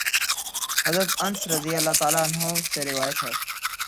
حضرت انس رضی اللہ عنہ سے روایت ہے